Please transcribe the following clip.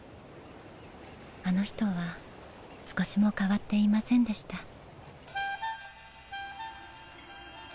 あの人は少しも変わっていませんでした。